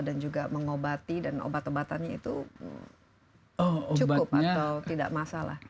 dan juga mengobati dan obat obatannya itu cukup atau tidak masalah